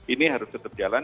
ini harus tetap jalan